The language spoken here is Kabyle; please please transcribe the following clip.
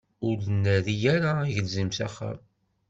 Ur d-nerri ara agelzim s axxam.